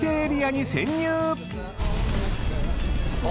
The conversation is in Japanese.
うわ！